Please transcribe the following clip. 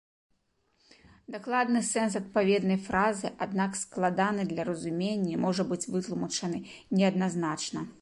Дакладны сэнс адпаведнай фразы, аднак, складаны для разумення і можа быць вытлумачаны неадназначна.